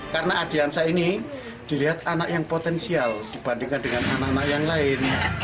karena ardiansah ini dilihat anak yang potensial dibandingkan dengan anak anak yang lain